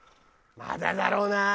まだだろうな。